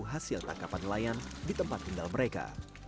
hasil tangkapan nelayan di tempat tinggal mereka